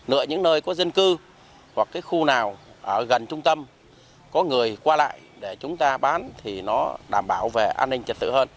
nợ những nơi có dân cư hoặc cái khu nào gần trung tâm có người qua lại để chúng ta bán thì nó đảm bảo về an ninh trật tự hơn